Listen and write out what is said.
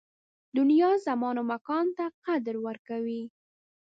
دنیا زمان او مکان ته قدر ورکوي